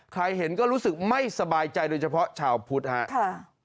ใครเห็นก็รู้สึกไม่สบายใจโดยเฉพาะชาวพุทธครับ